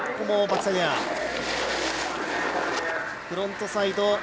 フロントサイド。